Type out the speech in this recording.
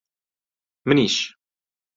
منیش.